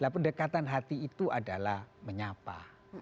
pendekatan hati itu adalah menyapa